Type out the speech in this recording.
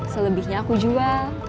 selebihnya aku jual